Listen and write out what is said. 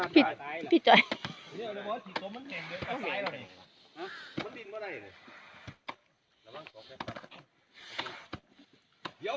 พี่จ๋อย